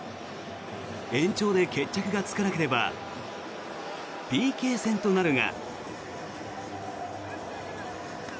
延長で決着がつかなければＰＫ戦となるが。